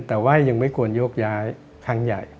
แต่ว่ายังไม่ควรโยกย้ายครั้งใหญ่